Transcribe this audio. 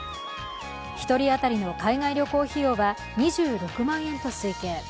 １人当たりの海外旅行費用は２６万円と推計。